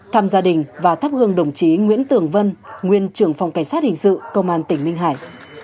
thăm gia đình và thắp hương đồng chí nguyễn tường vân nguyên trưởng phòng cảnh sát hình sự công an tỉnh ninh hải